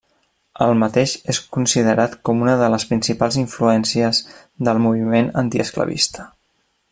El mateix és considerat com una de les principals influències del moviment antiesclavista.